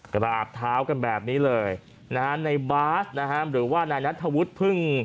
กราบเท้ากันแบบนี้เลยนะฮะในบาสนะฮะหรือว่านายนัทธวุฒิพึ่ง